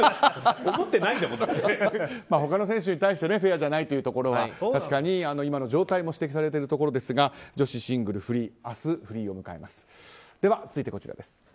他の選手に対してフェアじゃないというところは確かに今の状態も指摘されているところですが女子シングル明日フリーを迎えます。